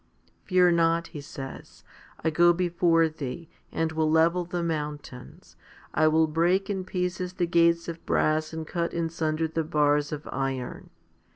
Fear not, He says, / go before thee, and will level the mountains; I will break in pieces the gates of brass and cut in sunder the bars of iron.